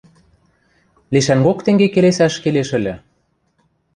Лешӓнгок тенге келесӓш келеш ыльы.